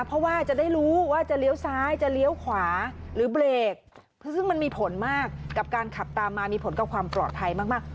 เพราะว่าจะได้รู้ว่าจะเลี้ยวซ้ายจะเลี้ยวขวาหรือเบรกซึ่งมันมีผลมากกับการขับตามมามีผลกับความปลอดภัยมากมาก